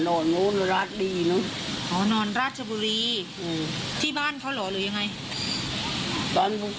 โอ้ไม่ห่วงเลยครับ